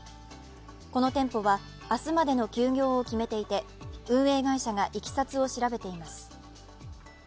この店舗は明日までの休業を決めていて運営会社がいきさつを調べています。